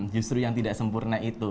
justru yang tidak sempurna itu